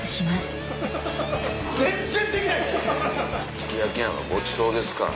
すき焼きなんかごちそうですから。